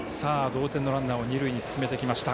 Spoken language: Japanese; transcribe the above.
同点のランナーを二塁に進めてきました。